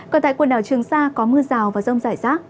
còn tại quần đảo trường sa có mưa rào và rông rải rác